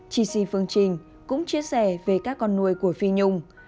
chi si phương trình cũng chia sẻ về các con nuôi của phi nhung